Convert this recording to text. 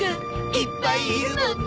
いっぱいいるもんね！